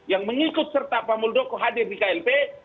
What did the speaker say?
yang mengikut serta pak muldoko hadir di klb